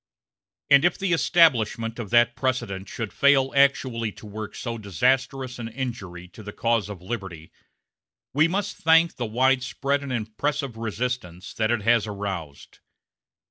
And if the establishment of that precedent should fail actually to work so disastrous an injury to the cause of liberty, we must thank the wide spread and impressive resistance that it has aroused.